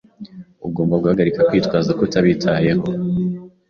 Ugomba guhagarika kwitwaza ko utabitayeho.